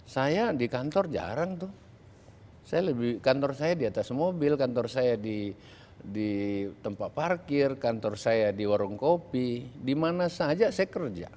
saya di kantor jarang tuh kantor saya di atas mobil kantor saya di tempat parkir kantor saya di warung kopi dimana saja saya kerja